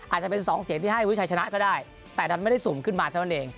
อาจจะเป็นสองเสียงที่ให้วิชัยชนะก็ได้แต่ดันไม่ได้สุ่มขึ้นมาเท่านั้นเอง